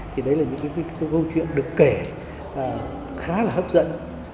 thì đấy là những cái câu chuyện được kể khá là hấp dẫn